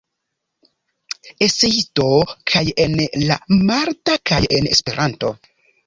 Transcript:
Eseisto kaj en la malta kaj en Esperanto.